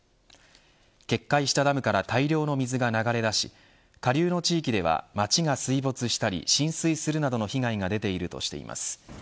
決壊したダムから大量の水が流れ出し下流の地域では街が水没したり浸水するなどの被害が出ているとしています。